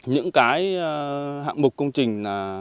những cái hạng mục công trình